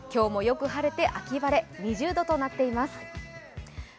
今日もよく晴れて秋晴れ、２０度となっています。